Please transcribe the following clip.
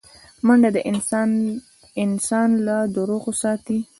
منډه انسان له دروغو ساتي